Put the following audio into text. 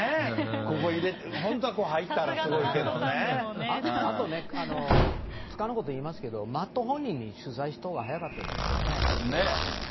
ここ、本当はここ入ったらすごいあとね、つかぬこと言いますけど、Ｍａｔｔ本人に取材したほうが早かったんじゃないんですかね。ね。